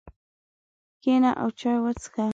کښېنه او چای وڅښه.